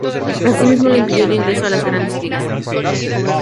Asimismo le impidió el ingreso a las grandes ligas.